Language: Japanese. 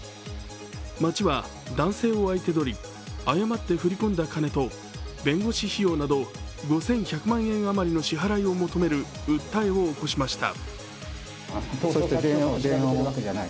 町は男性を相手取り、誤って振り込んだ金と弁護士費用など５１００万円余りの支払いを求める訴えを起こしました。